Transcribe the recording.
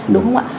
đúng không ạ